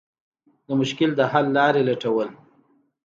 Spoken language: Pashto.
د مشکل د حل لارې لټول.